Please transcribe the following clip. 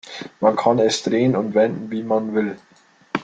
Man kann es drehen und wenden, wie man will.